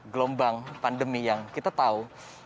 gelombang pandemi yang kita tahu